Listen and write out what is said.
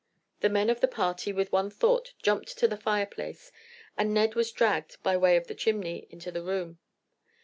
The men of the party with one thought jumped to the fireplace, and Ned was dragged, by way of the chimney, into the room.